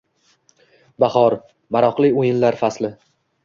Bahor – maroqli oʻyinlar fasli